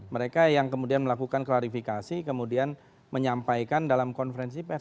mereka yang kemudian melakukan klarifikasi kemudian menyampaikan dalam konferensi pers